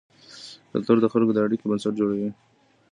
کلتور د خلکو د اړیکو بنسټ جوړوي.